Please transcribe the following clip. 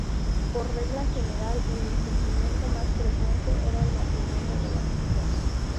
Por regla general el incumplimiento más frecuente era el matrimonio de las chicas.